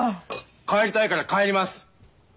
帰りたいから帰ります。